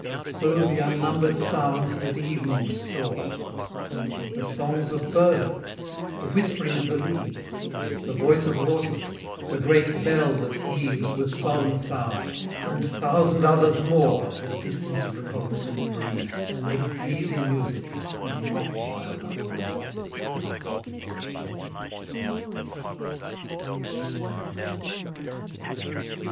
So the unnumber'd sounds that evening store; The songs of birds the whisp'ring of the leaves The voice of waters the great bell that heaves With solemn sound, and thousand others more, That distance of recognizance bereaves, Make pleasing music, and not wild uproar.